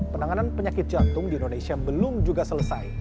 penanganan penyakit jantung di indonesia belum juga selesai